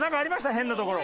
変なところ。